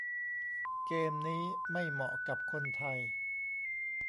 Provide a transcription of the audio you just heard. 'เกม' นี้ไม่เหมาะกับคนไทย